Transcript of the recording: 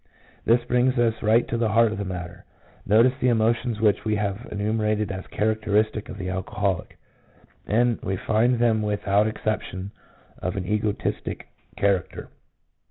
This brings us right to the heart of the matter; notice the emotions which we have enumerated as characteristic of the alcoholic, and we find them with out exception of an egotistic character.